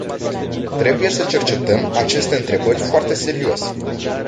Trebuie să cercetăm aceste întrebări foarte serios.